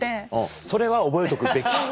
それは覚えとくべき。